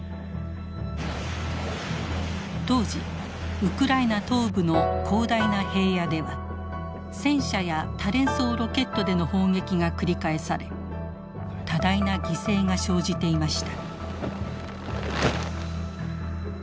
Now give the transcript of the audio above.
当時ウクライナ東部の広大な平野では戦車や多連装ロケットでの砲撃が繰り返され多大な犠牲が生じていました。